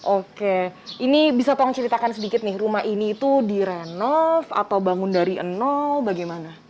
oke ini bisa tolong ceritakan sedikit nih rumah ini itu direnov atau bangun dari nol bagaimana